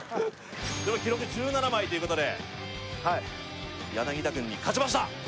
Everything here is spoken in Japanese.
でも記録１７枚ということではい柳田軍に勝ちました！